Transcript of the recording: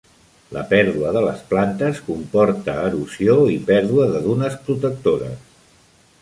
La pèrdua de les plantes comporta erosió i pèrdua de dunes protectores.